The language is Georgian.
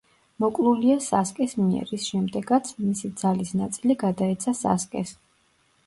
მოკლულია სასკეს მიერ, რის შემდეგაც მისი ძალის ნაწილი გადაეცა სასკეს.